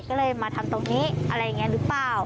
ก็เลยมาทำตรงนี้อะไรอย่างนี้หรือเปล่า